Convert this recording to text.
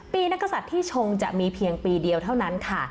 ปีนักศัตริย์ที่ชงจะมีเพียงปีเดียวเท่านั้นค่ะ